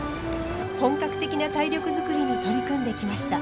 本格的な体力作りに取り組んできました。